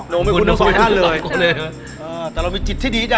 โน่งไม่คุ้นทั้ง๒คนโน่งไม่คุ้นทั้ง๒ท่านเลยแต่เรามีจิตที่ดีเนี่ย